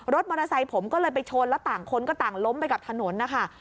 รถมอเตอร์ไซค์ผมก็เลยไปชนแล้วต่างคนก็ต่างล้มไปกับถนนนะคะ